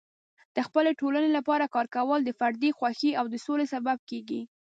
د خپلې ټولنې لپاره کار کول د فردي خوښۍ او د سولې سبب کیږي.